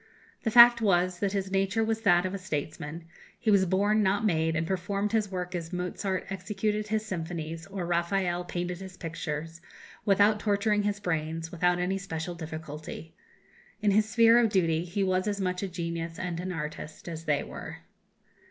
The fact was, that his nature was that of a statesman; he was born, not made, and performed his work as Mozart executed his symphonies or Raphael painted his pictures, without torturing his brains, without any special difficulty. In his sphere of duty he was as much a genius and an artist as they were.